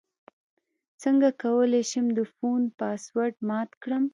څنګه کولی شم د فون پاسورډ مات کړم